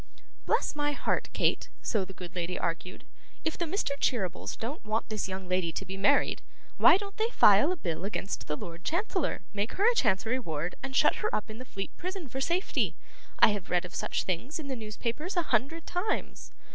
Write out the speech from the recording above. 'Bless my heart, Kate!' so the good lady argued; 'if the Mr. Cheerybles don't want this young lady to be married, why don't they file a bill against the Lord Chancellor, make her a Chancery ward, and shut her up in the Fleet prison for safety? I have read of such things in the newspapers a hundred times.